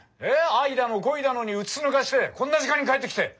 愛だの恋だのにうつつ抜かしてこんな時間に帰ってきて。